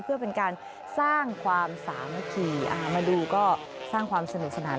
เพื่อเป็นการสร้างความสามัคคีมาดูก็สร้างความสนุกสนาน